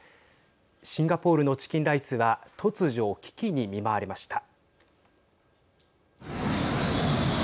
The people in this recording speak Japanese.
シンガポールのチキンライスは突如、危機に見舞われました。